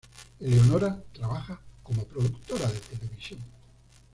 Eleonora trabaja como productora de televisión.